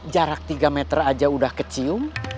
jarak tiga meter aja udah kecium